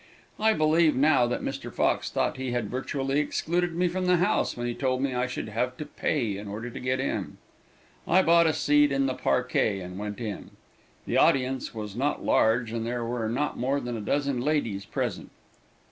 I believe now that Mr. Fox thought he had virtually excluded me from the house when he told me I should have to pay in order to get in. I bought a seat in the parquet and went in. The audience was not large and there were not more than a dozen ladies present.